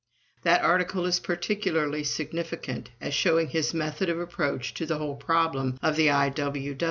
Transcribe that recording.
That article is particularly significant as showing his method of approach to the whole problem of the I.